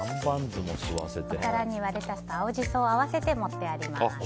お皿にはレタスと青ジソを合わせて、盛ってあります。